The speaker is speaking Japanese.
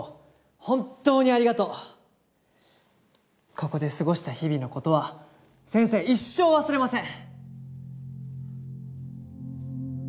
ここですごした日々のことは先生一生わすれません。